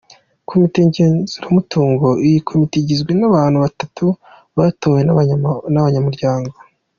Komite Ngenzuramutungo : Iyi komite igizwe n’abantu batatu batowe n’abanyamuryango.